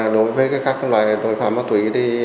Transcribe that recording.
đối với các loại tội phạm ma túy